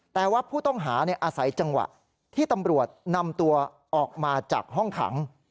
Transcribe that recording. แต่ว่าผู้ต้องหาอาศัยจังหวะที่ตำรวจนำตัวออกมาจากห้องขัง